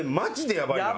やばいな！